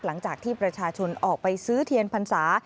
หลังจากที่ประชาชนออกไปซื้อเทียนพรรษา